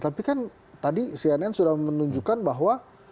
tapi kan tadi cnn sudah menunjukkan bahwa